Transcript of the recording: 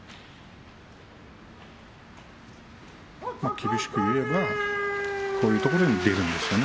厳しく言えば、こういうところに出るんですね